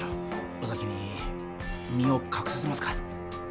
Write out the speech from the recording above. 尾崎に身を隠させますか？